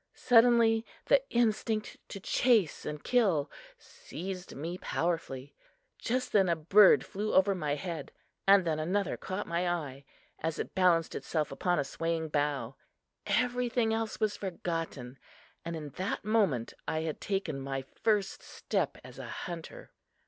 Suddenly the instinct to chase and kill seized me powerfully. Just then a bird flew over my head and then another caught my eye, as it balanced itself upon a swaying bough. Everything else was forgotten and in that moment I had taken my first step as a hunter.